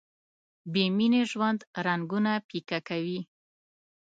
بې مینې ژوند رنګونه پیکه کوي.